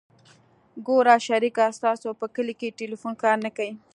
ګوره شريکه ستاسو په کلي کښې ټېلفون کار نه کيي.